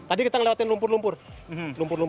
tadi kita ngelewatin lumpur lumpur lumpu